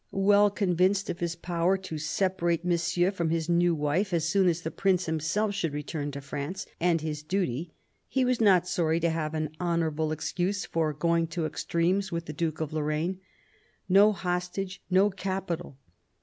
Well con vinced of his power to separate Monsieur from his new wife as soon as the Prince himself should return to France and his duty, he was not sorry to have an honourable excuse for going to extremes with the Duke of Lorraine. No hostage, no capital.